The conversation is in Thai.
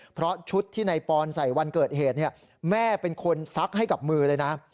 เพราะชุดที่นายปอนใส่วันเกิดเหตุแม่เป็นคนซักให้กับมือเลยนะ